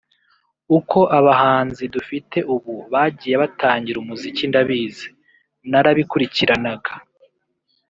uko abahanzi dufite ubu bagiye batangira umuziki ndabizi narabikurikiranaga